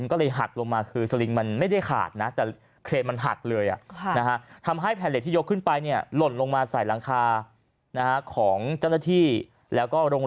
ก็เลยหักลงมาคือสลิงก์มันไม่ได้ขาดนะ